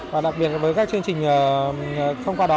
và đặc biệt với các chương trình thông qua đó